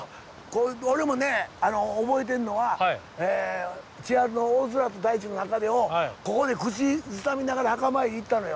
俺もね覚えてるのは千春の「大空と大地の中で」をここで口ずさみながら墓参り行ったのよ。